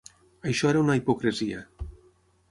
Això era una hipocresia.